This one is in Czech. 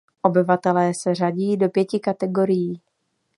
Obyvatelé se řadí do pěti kategorií.